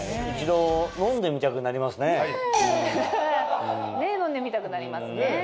一度飲んでみたくなりますね。